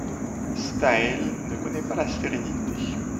Staël ne connaît pas la sérénité.